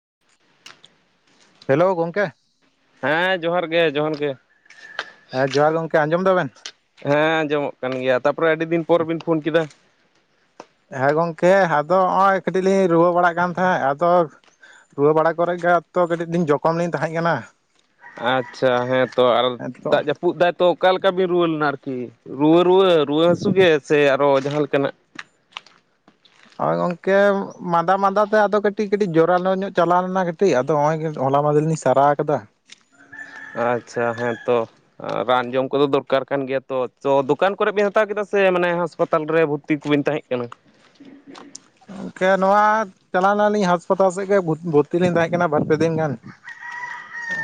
[inaudible] Hello ᱜᱚᱝᱠᱮ ᱦᱮᱸ ᱡᱚᱦᱟᱨ ᱜᱮ ᱡᱚᱦᱟᱨ ᱜᱮ᱾ ᱦᱮᱸ ᱡᱚᱦᱟᱨ ᱜᱚᱝᱠᱮ ᱟᱸᱡᱚᱢ ᱫᱟᱵᱮᱱ? ᱦᱮᱸ ᱟᱸᱡᱚᱢᱚᱜ ᱠᱟᱱ ᱜᱮᱭᱟ ᱛᱟᱯᱚᱨᱮ ᱟᱹᱰᱤ ᱫᱤᱱ ᱯᱚᱨ ᱵᱤᱱ ᱯᱷᱳᱱ ᱠᱮᱫᱟ? ᱦᱮᱸ ᱜᱚᱝᱠᱮ ᱟᱫᱚ ᱦᱚᱸᱜ ᱚᱭ ᱠᱟᱹᱴᱤᱜ ᱞᱤᱧ ᱨᱩᱣᱟᱹ ᱵᱟᱲᱟᱜ ᱠᱟᱱ ᱛᱟᱦᱮᱸᱫ ᱟᱫᱚ ᱨᱩᱣᱟ ᱵᱟᱲᱟ ᱠᱚᱨᱮ ᱜᱮ ᱛᱚ ᱠᱟᱹᱴᱤᱜ ᱞᱤᱧ ᱡᱚᱠᱷᱚᱢ ᱞᱤᱧ ᱛᱟᱦᱮᱸᱜ ᱠᱟᱱᱟ᱾ ᱟᱪᱪᱷᱟ ᱦᱮᱸᱛᱚ ᱟᱨ ᱛᱚ ᱫᱟᱜ ᱡᱟᱹᱯᱩᱫ ᱫᱟᱭ ᱛᱚ ᱚᱠᱟᱞᱮᱠᱟ ᱵᱤᱱ ᱨᱩᱣᱟᱹ ᱞᱮᱱᱟ ᱟᱨᱠᱤ? ᱨᱩᱣᱟᱹ ᱨᱩᱣᱟᱹ ᱨᱩᱣᱟᱹ ᱦᱟᱹᱥᱩ ᱜᱮ ᱥᱮ ᱟᱨᱚ ᱡᱟᱦᱟᱸ ᱞᱮᱠᱟᱱᱟᱜ? ᱦᱳᱭ ᱜᱚᱝᱠᱮ ᱢᱟᱸᱫᱟ ᱢᱟᱸᱫᱟ ᱛᱮ ᱟᱫᱚ ᱠᱟᱹᱴᱤᱡ ᱠᱟᱹᱴᱤᱡ ᱡᱚᱨᱟᱞᱳ ᱧᱚᱜ ᱪᱟᱞᱟᱣ ᱞᱮᱱᱟ ᱠᱟᱹ ᱴᱤᱡ ᱟᱫᱚ ᱱᱚᱜ ᱚᱸᱭ ᱜᱮ ᱦᱚᱞᱟ ᱢᱟᱫᱷᱮᱨ ᱞᱤᱧ ᱥᱟᱨᱟᱣ ᱠᱟᱫᱟ᱾ ᱟᱪᱪᱷᱟ ᱦᱮᱸ ᱛᱚ᱾ ᱨᱟᱱ ᱡᱚᱢ ᱠᱚᱫᱚ ᱫᱚᱨᱠᱟᱨ ᱠᱟᱱ ᱜᱮᱭᱟ ᱛᱚ ᱛᱚ ᱫᱚᱠᱟᱱ ᱠᱚᱨᱮᱜ ᱵᱤᱱ ᱦᱟᱛᱟᱣ ᱠᱮᱫᱟ ᱥᱮ ᱢᱟᱱᱮ ᱦᱟᱸᱥᱯᱟᱛᱟᱞ ᱨᱮ ᱵᱷᱩ ᱛᱤ ᱠᱩᱵᱤᱱ ᱛᱟᱦᱮᱸᱜ ᱠᱟᱱᱟ? ᱠᱮ ᱱᱚᱣᱟ ᱪᱟᱞᱟᱣᱱᱟᱞᱤᱧ ᱦᱟᱸᱟᱥᱯᱟᱛᱟᱞ ᱥᱮᱫ ᱜᱮ ᱵᱷᱚᱨᱛᱤ ᱞᱤᱧ ᱛᱟᱦᱮᱸᱜ ᱠᱟᱱᱟ ᱵᱟᱨ ᱯᱮ ᱫᱤᱱ ᱜᱟᱱ᱾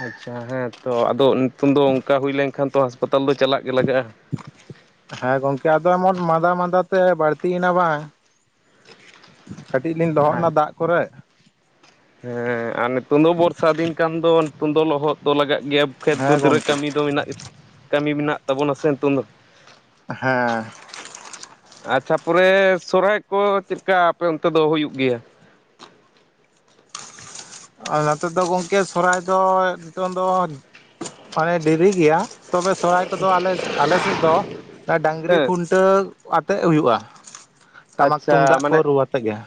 ᱟᱪᱪᱷᱟ ᱦᱮᱸ ᱛᱚ ᱟᱫᱚ ᱱᱤᱛᱚᱝ ᱫᱚ ᱚᱱᱠᱟ ᱦᱩᱭ ᱞᱮᱱᱠᱷᱟᱱ ᱛᱚ ᱦᱟᱸᱥᱯᱟᱛᱟᱞ ᱫᱚ ᱪᱟᱞᱟᱜ ᱜᱮ ᱞᱟᱜᱟᱜ-ᱟ᱾ ᱦᱮᱸ ᱜᱚᱝᱠᱮ ᱟᱫᱚ ᱮᱢᱚᱱ ᱢᱟᱸᱫᱟ ᱢᱟᱸᱫᱟ ᱛᱮ ᱵᱟᱹᱲᱛᱤᱭᱮᱱᱟ ᱵᱟᱝ ᱠᱟᱹᱴᱤᱡ ᱞᱤᱧ ᱞᱚᱦᱚᱫᱱᱟ ᱫᱟᱜ ᱠᱚᱨᱮ ᱦᱮᱸ ᱟᱨ ᱱᱤᱛᱳᱝ ᱫᱚ ᱵᱚᱨᱥᱟ ᱫᱤᱱ ᱠᱟᱱ ᱫᱚ ᱱᱤᱛᱳᱝ ᱫᱚ ᱞᱚᱦᱚᱫ ᱫᱚ ᱞᱟᱜᱟᱜ ᱜᱮᱭᱟ᱾ ᱠᱷᱮᱛ ᱦᱮᱸ ᱵᱟᱹᱫᱽ ᱨᱮ ᱜᱚᱝᱠᱮ ᱠᱟᱹᱢᱤ ᱫᱚ ᱢᱮᱱᱟᱜ ᱜᱮᱛ ᱠᱟᱹᱢᱤ ᱢᱮᱱᱟᱜ ᱛᱟᱵᱚᱱᱟ ᱥᱮ ᱱᱤᱛᱳᱝ ᱫᱚ᱾ ᱦᱮᱸ ᱟᱪᱪᱷᱟ ᱯᱚᱨᱮ ᱥᱚᱨᱟᱭ ᱠᱚ ᱪᱮᱫ ᱞᱮᱠᱟ ᱟᱯᱮ ᱚᱱᱛᱮ ᱫᱚ ᱦᱩᱭᱩᱜ ᱜᱮᱭᱟ? ᱟᱨ ᱱᱚᱛᱮ ᱫᱚ ᱜᱚᱝᱠᱮ ᱥᱚᱦᱨᱟᱭ ᱫᱚ ᱱᱤᱛᱚᱝ ᱫᱚ ᱢᱟᱱᱮ ᱰᱤᱨᱤ ᱜᱮᱭᱟ ᱛᱚᱵᱮ ᱥᱚᱨᱦᱟᱭ ᱠᱚᱫᱚ ᱟᱞᱮ ᱥᱮᱫ ᱫᱚ ᱰᱟᱝᱨᱤ ᱦᱮᱸ ᱠᱷᱩᱱ ᱴᱟᱹᱣ ᱟᱛᱮᱫ ᱦᱩᱭᱩᱜ-ᱟ ᱴᱟᱢᱟᱠ ᱟᱪᱪᱷᱟ ᱛᱩᱢᱫᱟᱜ ᱠᱚ ᱢᱟᱱᱮ ᱨᱩ ᱟᱛᱮ ᱜᱮ᱾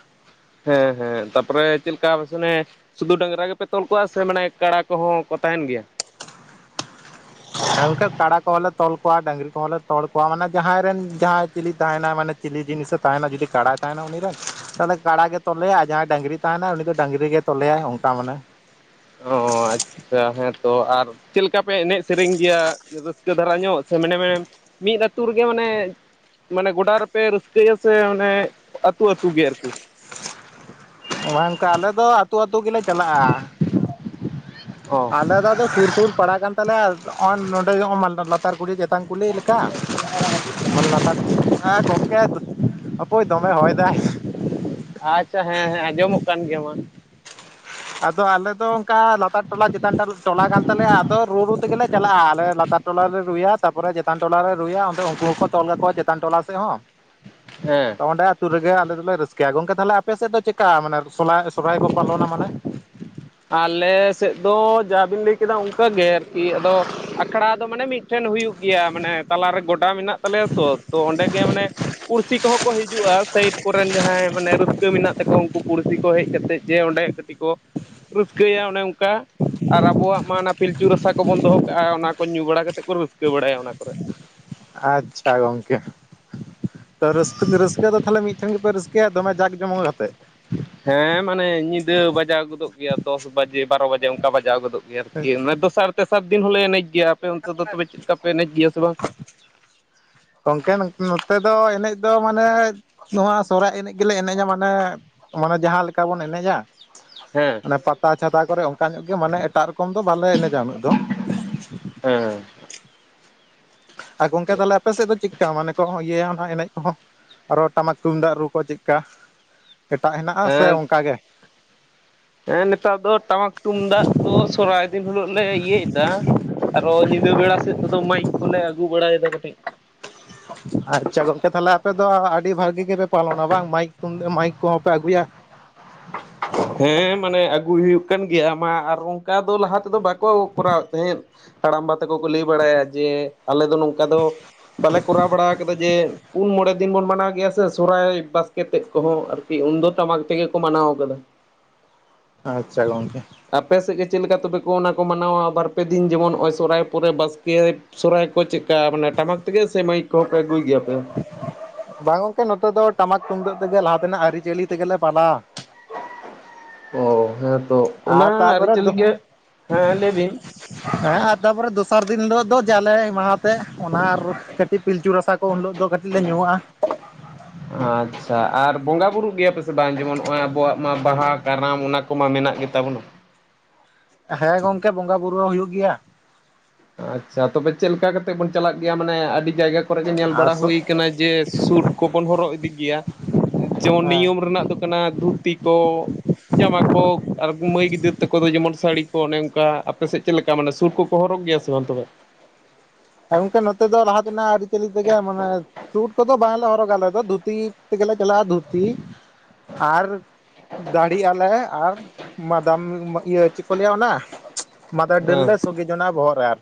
ᱦᱮᱸ ᱦᱮᱸ ᱛᱟᱯᱚᱨᱮ ᱪᱮᱫ ᱞᱮᱠᱟ ᱢᱮᱥᱚᱱᱮ ᱥᱩᱫᱩ ᱰᱟᱝᱨᱟ ᱜᱮᱯᱮ ᱛᱚᱞ ᱠᱚᱣᱟ ᱥᱮ ᱢᱟᱱᱮ ᱠᱟᱲᱟ ᱠᱚᱦᱚᱸ ᱠᱚ ᱛᱟᱦᱮᱸᱱ ᱜᱮᱭᱟ? ᱦᱟᱝ ᱠᱮ ᱠᱟᱲᱟ ᱠᱚᱦᱚᱸ ᱞᱮ ᱛᱚᱞ ᱠᱚᱣᱟ ᱰᱟᱹᱟᱝᱨᱤ ᱠᱚᱦᱚᱸ ᱞᱮ ᱛᱚᱞ ᱠᱚᱣᱟ ᱢᱟᱱᱮ ᱡᱟᱦᱟᱸᱭ ᱨᱮᱱ ᱡᱟᱦᱟᱸᱭ ᱪᱤᱞᱤ ᱛᱟᱦᱮᱸᱱᱟᱭ ᱢᱟᱱᱮ ᱪᱤᱞᱤ ᱡᱤᱱᱤᱥᱮ ᱛᱟᱦᱮᱸᱱᱟ ᱡᱩᱫᱤ ᱠᱟᱲᱟᱭ ᱛᱟᱦᱮᱱᱟ ᱩᱱᱤ ᱨᱮᱱ ᱛᱟᱦᱚᱞᱮ ᱠᱟᱲᱟ ᱜᱮ ᱛᱚᱞᱮᱭᱟ ᱟᱨ ᱡᱟᱦᱟᱸᱭ ᱰᱟᱹᱝᱨᱤ ᱛᱟᱦᱮᱸᱱᱟᱭ ᱩᱱᱤ ᱫᱚ ᱰᱟᱹᱝᱨᱤ ᱜᱮᱭ ᱛᱚᱞᱮᱭᱟᱭ ᱚᱱᱠᱟ ᱢᱟᱱᱮ ᱾ ᱚ ᱟᱪᱪᱷᱟ ᱦᱮᱸᱛᱚ ᱟᱨ ᱪᱮᱫ ᱞᱮᱠᱟ ᱯᱮ ᱮᱱᱮᱡ ᱥᱮᱨᱮᱧ ᱜᱮᱭᱟ? ᱨᱟᱹᱥᱠᱟᱹ ᱫᱷᱟᱨᱟ ᱧᱚᱜ ᱥᱮ ᱢᱮᱱᱮ ᱢᱮ ᱢᱤᱫ ᱟᱹᱛᱩ ᱨᱮᱜᱮ ᱢᱟᱱᱮ ᱢᱟᱱᱮ ᱜᱚᱰᱟ ᱨᱮᱯᱮ ᱨᱟᱹᱥᱠᱟᱹᱭᱟ ᱥᱮ ᱚᱱᱮ ᱟᱹᱛᱩ ᱟᱹᱛᱩ ᱜᱮ ᱟᱨᱠᱤ? ᱚᱟᱝᱠᱟ ᱟᱞᱮ ᱫᱚ ᱟᱹᱛᱩ ᱟᱹᱛᱩ ᱜᱮᱞᱮ ᱪᱟᱞᱟᱜ-ᱟ ᱾ ᱚ ᱟᱞᱮ ᱫᱚ ᱟᱫᱚ ᱥᱩᱨ ᱥᱩᱨ ᱯᱟᱲᱟ ᱠᱟᱱ ᱛᱟᱞᱮᱭᱟ ᱱᱚ ᱱᱚᱸᱰᱮ ᱢᱟ ᱞᱟᱛᱟᱨ ᱠᱩᱞᱤ ᱪᱮᱛᱟᱱ ᱠᱩᱞᱦᱤ᱾ ᱛᱟᱝ ᱠᱩᱞᱦᱤ ᱞᱮᱠᱟ ᱚᱞ ᱞᱟᱛᱟᱨ ᱦᱮᱸ ᱜᱚᱢᱠᱮ ᱦᱟᱯᱚᱭ ᱫᱚᱢᱮ ᱦᱚᱭ ᱫᱟᱭ ᱾ ᱟᱪᱪᱷᱟ ᱦᱮᱸ ᱦᱮᱸ ᱟᱸᱡᱚᱢᱚᱜ ᱠᱟᱱ ᱜᱮᱭᱟ ᱢᱟ ᱾ ᱟᱫᱚ ᱟᱞᱮ ᱫᱚ ᱚᱱᱠᱟ ᱞᱟᱛᱟᱨ ᱴᱚᱞᱟ ᱪᱮᱛᱟᱱ ᱴᱚᱞᱟ ᱠᱟᱱ ᱛᱟᱞᱮᱭᱟ ᱟᱫᱚ ᱨᱩ ᱨᱩ ᱛᱮᱜᱮᱞᱮ ᱪᱟᱞᱟᱜ-ᱟ ᱟᱞᱮ ᱞᱟᱛᱟᱨ ᱴᱚᱞᱟᱨᱮ ᱨᱩᱭᱟ ᱛᱟᱨᱯᱚᱨᱮ ᱪᱮᱛᱟᱱ ᱴᱚᱞᱟᱨᱮ ᱨᱩᱭᱟ ᱚᱸᱰᱮ ᱩᱱᱠᱩ ᱦᱚᱸᱠᱚ ᱛᱚᱞ ᱠᱟᱠᱚᱣᱟ ᱪᱮᱛᱟᱱ ᱴᱚᱞᱟ ᱥᱮᱫ ᱦᱚ ᱾ ᱦᱮᱸ ᱾ ᱛᱚ ᱚᱸᱰᱮ ᱟᱹᱛᱩᱳ ᱨᱮᱜᱮ ᱟᱞᱮ ᱫᱚᱮ ᱚᱸᱰᱮ ᱟᱛᱳᱨᱮᱜᱮ ᱟᱞᱮᱫᱚᱞᱮ ᱨᱟᱹᱥᱠᱟᱹᱭᱟ ᱾ ᱜᱚᱝᱠᱮ ᱛᱟᱦᱚᱞᱮ ᱟᱯᱮᱥᱮᱫ ᱫᱚ ᱪᱮᱠᱟ ᱢᱟᱱᱮ ᱥᱚᱞᱦᱟᱭ ᱥᱚᱨᱦᱟᱭ ᱠᱚ ᱯᱟᱞᱚᱱᱟ ᱢᱟᱱᱮ? ᱟᱞᱮ ᱥᱮᱫ ᱫᱚ ᱡᱟᱵᱤᱱ ᱞᱟᱹᱭ ᱠᱮᱫᱟ ᱚᱱᱠᱟ ᱜᱮ ᱟᱨᱠᱤ ᱟᱫᱚ ᱟᱠᱷᱲᱟ ᱫᱚ ᱢᱟᱱᱮ ᱢᱤᱫ ᱴᱷᱮᱱ ᱦᱩᱭᱩᱜ ᱜᱮᱭᱟ ᱢᱟᱱᱮ ᱛᱟᱞᱟᱨᱮ ᱜᱚᱰᱟ ᱢᱮᱱᱟᱜ ᱛᱟᱞᱮᱭᱟ ᱛᱚ ᱚᱸᱰᱮ ᱜᱮ ᱢᱟᱱᱮ ᱯᱩᱲᱥᱤ ᱠᱚᱦᱚᱸ ᱠᱚ ᱦᱤᱡᱩᱜ-ᱟ ᱥᱟᱭᱤᱰ ᱠᱚᱨᱮᱱ ᱡᱟᱦᱟᱸᱭ ᱢᱟᱱᱮ ᱨᱟᱹᱥᱠᱟᱹ ᱢᱮᱱᱟᱜ ᱛᱟᱠᱚᱣᱟ ᱩᱱᱠᱩ ᱯᱩᱲᱥᱤ ᱠᱚ ᱦᱮᱡ ᱠᱟᱛᱮᱫ ᱡᱮ ᱚᱸᱰᱮ ᱠᱟᱹᱴᱤᱡ ᱠᱚ ᱨᱟᱹᱥᱠᱟᱹᱭᱟ ᱚᱱᱮ ᱚᱱᱠᱟ ᱾ ᱟᱨ ᱟᱵᱚᱣᱟᱜ ᱢᱟ ᱱᱟ ᱯᱤᱞᱪᱩ ᱨᱟᱥᱟ ᱠᱚᱵᱚᱱ ᱫᱚᱦᱚ ᱠᱟᱜ-ᱟ ᱚᱱᱟ ᱠᱚ ᱧᱩ ᱵᱟᱲᱟ ᱠᱟᱛᱮᱫ ᱠᱚ ᱨᱟᱹᱥᱠᱟᱹ ᱵᱟᱲᱟᱭᱟ ᱚᱱᱟ ᱠᱚᱨᱮ ᱾ ᱟᱪᱪᱷᱟ ᱜᱚᱝᱠᱮ ᱾ ᱛᱚ ᱨᱟᱹᱥᱠᱟᱹ ᱨᱟᱹᱥᱠᱟᱹ ᱫᱚ ᱛᱟᱦᱞᱮ ᱢᱤᱫᱴᱷᱮᱱ ᱜᱮᱯᱮ ᱨᱟᱹᱥᱠᱟᱹᱭᱟ ᱫᱚᱢᱮ ᱡᱟᱠ ᱡᱚᱢᱚᱠ ᱟᱛᱮᱫ ᱾ ᱦᱮᱸ ᱢᱟᱱᱮ ᱧᱤᱫᱟᱹ ᱵᱟᱡᱟᱣ ᱜᱚᱫᱚᱜ ᱜᱮᱭᱟ ᱫᱚᱥ ᱵᱟᱡᱮ ᱵᱟᱨᱚ ᱵᱟᱡᱮ ᱚᱱᱠᱟ ᱵᱟᱡᱟᱣ ᱜᱚᱫᱚᱜ ᱜᱮᱭᱟ ᱾ ᱚᱱᱟ ᱫᱚᱥᱟᱨ ᱛᱮᱥᱟᱨ ᱫᱤᱱ ᱦᱚᱸᱞᱮ ᱮᱱᱮᱡ ᱜᱮᱭᱟ ᱟᱯᱮ ᱚᱱᱛᱮ ᱫᱚ ᱛᱚᱵᱮ ᱪᱮᱫ ᱞᱮᱠᱟᱯᱮ ᱮᱱᱮᱡ ᱜᱮᱭᱟ ᱥᱮ ᱵᱟᱝ? ᱜᱚᱝᱠᱮ ᱱᱚᱛᱮ ᱫᱚ ᱮᱱᱮᱡ ᱫᱚ ᱢᱟᱱᱮ ᱱᱚᱣᱟ ᱥᱚᱨᱦᱟᱭ ᱮᱱᱮᱡ ᱜᱮᱞᱮ ᱮᱱᱮᱡᱟ ᱢᱟᱱᱮ ᱢᱟᱱᱮ ᱡᱟᱦᱟᱸ ᱞᱮᱠᱟ ᱵᱚᱱ ᱮᱱᱮᱡᱟ ᱾ ᱦᱮᱸ ᱚᱱᱮ ᱯᱟᱛᱟ ᱪᱷᱟᱛᱟ ᱠᱚᱨᱮ ᱚᱱᱠᱟ ᱧᱚᱜ ᱜᱮ ᱢᱟᱱᱮ ᱮᱴᱟᱜ ᱨᱚᱠᱚᱢ ᱫᱚ ᱵᱟᱞᱮ ᱮᱱᱮᱡᱟ ᱩᱱᱟᱹᱜ ᱫᱚ ᱾ ᱦᱮᱸ ᱟᱨ ᱜᱚᱝᱠᱮ ᱛᱟᱦᱞᱮ ᱟᱯᱮᱥᱮᱫ ᱫᱚ ᱪᱮᱫᱠᱟ ᱢᱟᱱᱮ ᱠᱚ ᱦᱳᱭ ᱤᱭᱟᱹᱭᱟ ᱚᱱᱟ ᱮᱱᱮᱡ ᱠᱚᱦᱚᱸ ᱟᱨᱚ ᱴᱟᱢᱟᱠ ᱛᱩᱢᱫᱟᱜ ᱨᱩ ᱠᱚ ᱪᱮᱫᱠᱟ? ᱮᱴᱟᱜ ᱦᱮᱱᱟᱜ-ᱟ ᱥᱮ ᱦᱮᱸ ᱚᱱᱠᱟᱜᱮ? ᱦᱮᱸ ᱱᱮᱛᱟᱨ ᱫᱚ ᱴᱟᱢᱟᱠ ᱛᱩᱢᱫᱟᱜ ᱫᱚ ᱥᱚᱨᱦᱟᱭ ᱫᱤᱱ ᱦᱤᱞᱳᱜ ᱞᱮ ᱤᱭᱟᱹᱭ ᱫᱟ ᱾ ᱟᱨᱚ ᱧᱤᱫᱟᱹ ᱵᱮᱲᱟ ᱥᱮᱫ ᱛᱮᱫᱚ ᱢᱟᱭᱤᱠ ᱠᱚᱞᱮ ᱟᱹᱜᱩ ᱵᱟᱲᱟᱭᱮᱫᱟ ᱠᱟᱹᱴᱤᱡ ᱾ ᱟᱪᱪᱷᱟ ᱜᱚᱝᱠᱮ ᱛᱟᱦᱞᱮ ᱟᱯᱮ ᱫᱚ ᱟᱹᱰᱤ ᱵᱷᱟᱹᱜᱤ ᱜᱮᱯᱮ ᱯᱟᱞᱚᱱᱟ ᱵᱟᱝ ᱢᱟᱭᱤᱠ ᱛᱩᱢᱫ ᱢᱟᱭᱤᱠ ᱠᱚᱦᱚᱸ ᱯᱮ ᱟᱹᱜᱩᱭᱟ ᱦᱮᱸ ᱢᱟᱱᱮ ᱟᱹᱜᱩᱭ ᱦᱩᱭᱩᱜ ᱠᱟᱱ ᱜᱮᱭᱟ ᱢᱟ ᱟᱨ ᱚᱱᱠᱟ ᱫᱚ ᱞᱟᱦᱟ ᱛᱮᱫᱚ ᱵᱟᱠᱚ ᱠᱚᱨᱟᱣᱮᱫ ᱛᱮᱦᱮᱸᱫ ᱾ ᱦᱟᱲᱟᱢᱵᱟ ᱛᱟᱠᱚ ᱠᱚ ᱞᱟᱹᱭ ᱵᱟᱲᱟᱭᱟ ᱡᱮ ᱟᱞᱮ ᱫᱚ ᱱᱚᱝᱠᱟ ᱫᱚ ᱵᱟᱞᱮ ᱠᱚᱨᱟᱣ ᱵᱟᱲᱟ ᱟᱠᱟᱫᱟ ᱡᱮ ᱯᱩᱱ ᱢᱚᱬᱮ ᱫᱤᱱ ᱵᱚᱱ ᱢᱟᱱᱟᱣ ᱜᱮᱭᱟ ᱥᱮ ᱥᱚᱦᱨᱟᱭ ᱵᱟᱥᱠᱮ ᱛᱮᱫ ᱠᱚᱦᱚᱸ ᱟᱨᱠᱤ ᱩᱱ ᱫᱚ ᱴᱟᱢᱟᱠ ᱛᱮᱜᱮ ᱠᱚ ᱢᱟᱱᱟᱣ ᱟᱠᱟᱫᱟ ᱾ ᱟᱪᱪᱷᱟ ᱜᱚᱝᱠᱮ ᱾ ᱟᱯᱮ ᱥᱮᱫ ᱜᱮ ᱪᱮᱫ ᱞᱮᱠᱟ ᱛᱚᱵᱮ ᱠᱚ ᱚᱱᱟ ᱠᱚ ᱢᱟᱱᱟᱣᱟ ᱵᱟᱨᱯᱮ ᱫᱤᱱ ᱡᱮᱢᱚᱱ ᱱᱚᱜ-ᱚᱭ ᱥᱚᱨᱟᱭ ᱯᱚᱨᱮ ᱵᱟᱥᱠᱮ ᱥᱚᱦᱚᱨᱟᱭ ᱠᱚ ᱪᱮᱫᱠᱟ ᱢᱟᱱᱮ ᱴᱟᱢᱟᱠ ᱛᱮᱜᱮ ᱥᱮ ᱢᱟᱹᱭᱤᱠ ᱠᱚᱦᱚᱸ ᱯᱮ ᱟᱹᱜᱩᱭ ᱜᱮᱭᱟᱯᱮ? ᱵᱟᱝ ᱜᱚᱝᱠᱮ ᱱᱚᱛᱮ ᱫᱚ ᱴᱟᱢᱟᱠ ᱛᱩᱢᱫᱟᱹᱜ ᱛᱮᱜᱮ ᱞᱟᱦᱟ ᱛᱮᱱᱟᱜ ᱟᱹᱨᱤᱪᱟᱹᱞᱤ ᱛᱮᱜᱮᱞᱮ ᱯᱟᱞᱟᱣᱟ᱾ ᱚ ᱦᱮᱸᱛᱚ ᱚᱱᱟ ᱟᱨ ᱛᱟᱯᱚᱨᱮ ᱟᱹᱨᱤᱪᱟᱹᱞᱤ ᱫᱚ ᱜᱮ ᱦᱮᱸ ᱞᱟᱹᱭ ᱵᱤᱱ ᱦᱮᱸ ᱟᱨ ᱛᱟᱯᱚᱨᱮ ᱫᱚᱥᱟᱨ ᱫᱤᱱ ᱦᱤᱞᱳᱜ ᱫᱚ ᱡᱟᱞᱮ ᱢᱟᱦᱟᱛᱮ ᱚᱱᱟ ᱟᱨ ᱠᱟᱹᱴᱤᱡ ᱯᱤᱞᱪᱩ ᱨᱟᱥᱟ ᱠᱚ ᱩᱱ ᱦᱤᱞᱳᱜ ᱫᱚ ᱠᱟᱹᱴᱤᱡ ᱞᱮ ᱧᱩᱣᱟᱜᱼᱟ᱾ ᱟᱪᱪᱷᱟ ᱟᱨ ᱵᱚᱸᱜᱟ ᱵᱩᱨᱩᱜ ᱜᱮᱭᱟ ᱯᱮᱥᱮ ᱵᱟᱝ? ᱡᱮᱢᱚᱱ ᱱᱚᱜᱼᱚᱭ ᱟᱵᱚᱣᱟᱜ ᱢᱟ ᱵᱟᱦᱟ ᱠᱟᱨᱟᱢ ᱚᱱᱟ ᱠᱚᱢᱟ ᱢᱮᱱᱟᱜ ᱜᱮᱛᱟ ᱵᱚᱱ᱾ ᱦᱮᱸ ᱜᱚᱝᱠᱮ ᱵᱚᱸᱜᱟ ᱵᱩᱨᱩ ᱦᱚ ᱦᱩᱭᱩᱜ ᱜᱮᱭᱟ᱾ ᱟᱪᱪᱷᱟ ᱛᱚᱵᱮ ᱪᱮᱫ ᱞᱮᱠᱟ ᱠᱟᱛᱮᱫ ᱵᱚᱱ ᱪᱟᱞᱟᱜ ᱜᱮᱭᱟ ᱢᱟᱱᱮ ᱟᱹᱰᱤ ᱡᱟᱭᱜᱟ ᱠᱚᱨᱮ ᱜᱮ ᱧᱮᱞ ᱟᱨ ᱵᱟᱲᱟ ᱥᱚ ᱦᱩᱭ ᱠᱟᱱᱟ ᱡᱮ ᱥᱩᱴ ᱠᱚᱵᱚᱱ ᱦᱚᱨᱚᱜ ᱤᱫᱤ ᱜᱮᱭᱟ, ᱡᱮᱢᱚᱱ ᱦᱮᱸ ᱱᱤᱭᱚᱢ ᱨᱮᱱᱟᱜ ᱫᱚ ᱠᱟᱱᱟ ᱫᱷᱩᱛᱤ ᱠᱚ ᱡᱟᱢᱟ ᱠᱚ ᱟᱨ ᱢᱟᱹᱭ ᱜᱤᱫᱟᱹᱨ ᱛᱟᱠᱚ ᱫᱚ ᱡᱮᱢᱚᱱ ᱥᱟᱹᱲᱤ ᱠᱚ ᱚᱱᱮ ᱚᱱᱠᱟ ᱟᱯᱮ ᱥᱮᱫ ᱪᱮᱫ ᱞᱮᱠᱟ ᱢᱟᱱᱮ ᱥᱩᱴ ᱠᱚᱠᱚ ᱦᱚᱨᱚᱜ ᱜᱮᱭᱟ ᱥᱮ ᱵᱟᱝ ᱛᱚᱵᱮ ᱜᱚᱝᱠᱮ ᱱᱚᱛᱮ ᱫᱚ ᱞᱟᱦᱟ ᱛᱮᱱᱟᱜ ᱟᱹᱨᱤᱪᱟᱹᱞᱤ ᱛᱮᱜᱮ ᱢᱟᱱᱮ ᱥᱩᱴ ᱠᱚᱫᱚ ᱵᱟᱝᱞᱮ ᱦᱚᱨᱚᱜᱟ ᱟᱞᱮ ᱫᱚ ᱫᱷᱩᱛᱤ ᱛᱮᱜᱮᱞᱮ ᱪᱟᱞᱟᱜᱼᱟ ᱾ᱫᱷᱩᱛᱤ ᱟᱨ ᱫᱟᱲᱦᱤᱜ ᱟᱞᱮ ᱟᱨ ᱢᱟᱫᱟᱢ ᱤᱭᱟᱹ ᱪᱮᱫ ᱠᱚ ᱞᱟᱹᱭᱟ ᱚᱱᱟ ᱢᱟᱫᱟᱨ ᱰᱟᱹᱨ ᱦᱮᱸ ᱞᱮ ᱥᱚᱜᱮ ᱡᱚᱱᱟᱜ-ᱟ ᱵᱚᱦᱚᱜ ᱨᱮ ᱟᱨ᱾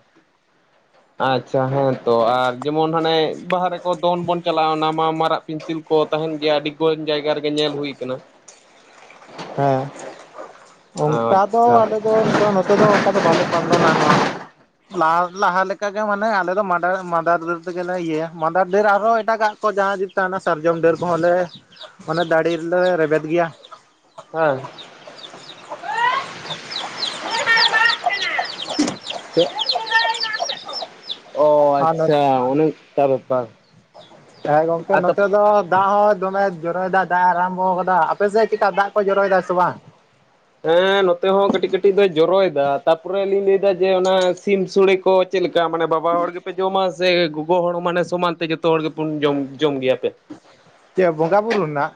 ᱟᱪᱪᱷᱟ ᱦᱮᱸ ᱛᱚ ᱟᱨ ᱡᱮᱢᱚᱱ ᱦᱟᱱᱮ ᱵᱟᱦᱟ ᱨᱮ ᱫᱚᱱ ᱵᱚᱱ ᱪᱟᱞᱟᱜᱼᱟ ᱚᱱᱟ ᱢᱟ ᱢᱟᱨᱟᱜ ᱯᱤᱱᱪᱤᱞ ᱠᱚ ᱛᱟᱦᱮᱱ ᱜᱮᱭᱟ ᱟᱹᱰᱤ ᱡᱟᱭᱜᱟ ᱨᱮᱜᱮ ᱧᱮᱞ ᱦᱩᱭ ᱠᱟᱱᱟ᱾ ᱦᱮᱸ ᱚᱱᱠᱟ ᱫᱚ ᱟᱪᱪᱷᱟ ᱦᱮᱸ ᱟᱞᱮ ᱫᱚ ᱱᱚᱝᱠᱟ ᱱᱚᱛᱮ ᱫᱚ ᱚᱱᱠᱟ ᱫᱚ ᱵᱟᱞᱮ ᱯᱟᱞᱚᱱᱟ ᱱᱚᱣᱟ᱾ ᱞᱟᱦᱟ ᱞᱟᱦᱟ ᱞᱮᱠᱟᱜᱮ ᱢᱟᱱᱮ ᱟᱞᱮ ᱫᱚ ᱢᱟᱫᱟᱨ-ᱢᱟᱫᱟᱨ ᱰᱟᱹᱨ ᱛᱮᱜᱮᱞᱮ ᱤᱭᱟᱹᱭᱟ, ᱢᱟᱫᱟᱨ ᱰᱟᱹᱨ ᱟᱨᱦᱚᱸ ᱮᱴᱟᱜᱟᱜ᱾ ᱚ ᱡᱟᱦᱟᱸ ᱡᱩᱛᱟ ᱦᱟᱱᱮ ᱛᱟᱦᱮᱱᱟ ᱥᱟᱨᱡᱚᱢ ᱰᱟᱹᱨ ᱠᱚᱦᱚᱸᱞᱮ ᱚᱱᱮ ᱫᱟᱲᱦᱤ ᱨᱮᱞᱮ ᱨᱮᱵᱮᱫ ᱜᱮᱭᱟ᱾ [unintelligible] [inaudible] ᱚ ᱟᱨ ᱟᱪᱪᱷᱟ ᱚᱱᱮ ᱚᱱᱠᱟ ᱵᱮᱯᱟᱨ᱾ ᱦᱮᱸ ᱜᱚᱝᱠᱮ ᱟᱨ ᱛᱟ ᱱᱚᱛᱮ ᱫᱚ ᱫᱟᱜ ᱦᱚᱸ ᱫᱚᱢᱮ ᱡᱚᱨᱚᱭ ᱫᱟ ᱫᱟᱜ ᱮ ᱟᱨᱟᱢᱵᱚ ᱠᱟᱫᱟ ᱾ᱟᱯᱮ ᱥᱮᱫ ᱪᱮᱠᱟ ᱫᱟᱜ ᱠᱚ ᱡᱚᱨᱚᱭ ᱫᱟᱭ ᱥᱮ ᱵᱟᱝ? ᱦᱮᱸ ᱱᱚᱛᱮ ᱦᱚᱸ ᱠᱟᱹᱴᱤᱡ ᱠᱟᱹᱴᱤᱡ ᱫᱚᱭ ᱡᱚᱨᱚᱭ ᱫᱟ, ᱛᱟᱨᱯᱚᱨᱮ ᱞᱤᱧ ᱞᱟᱹᱭᱫᱟ ᱡᱮ ᱚᱱᱟ ᱥᱤᱢ ᱥᱳᱲᱮ ᱠᱚ ᱪᱮᱫ ᱞᱮᱠᱟ ᱢᱟᱱᱮ ᱵᱟᱵᱟ ᱦᱚᱲ ᱜᱮᱯᱮ ᱡᱚᱢᱟ ᱥᱮ ᱜᱚᱜᱚ ᱦᱚᱲ ᱢᱟᱱᱮ ᱥᱚᱢᱟᱱ ᱛᱮ ᱡᱚᱛᱚ ᱦᱚᱲ ᱜᱮᱵᱚᱱ ᱡᱚᱢ-ᱡᱚᱢ ᱜᱮᱭᱟ? ᱪᱮᱫ ᱵᱚᱸᱜᱟ ᱵᱩᱨᱩ ᱨᱮᱱᱟᱜ?